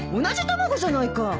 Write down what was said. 同じ卵じゃないか。